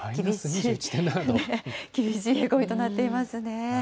厳しい冷え込みとなっていますね。